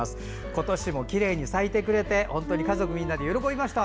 今年もきれいに咲いてくれて家族みんなで喜びました。